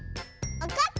わかった。